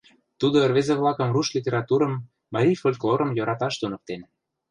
Тудо рвезе-влакым руш литературым, марий фольклорым йӧраташ туныктен.